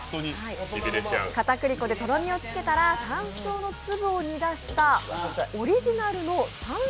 かたくり粉でとろみをつけたら、さんしょうの粒を煮出したオリジナルのさん